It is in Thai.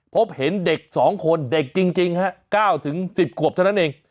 พบเห็นเด็ก๒คนเด็กจริงฮะ๙๑๐ขวบเท่านั้นเอง